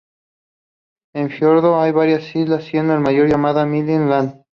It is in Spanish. En el fiordo hay varias islas, siendo la mayor la llamada Milne Land.